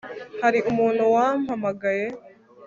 hari umuntu wampamagaye